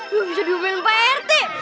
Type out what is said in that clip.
duh bisa diumilin pak rt